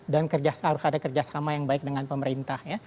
dan harus ada kerjasama yang baik dengan pemerintah ya